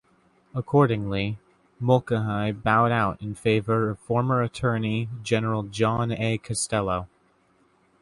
Accordingly, Mulcahy bowed out in favour of former Attorney General John A. Costello.